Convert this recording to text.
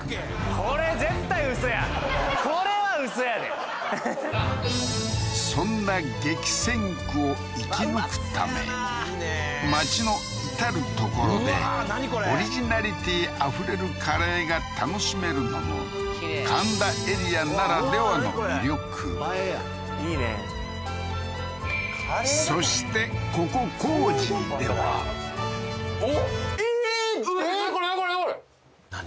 これ絶対ウソやこれはウソやでそんな激戦区を生き抜くため街の至る所でオリジナリティーあふれるカレーが楽しめるのも神田エリアならではの魅力映えやいいねそしてここＣｏｚｙではおっ何？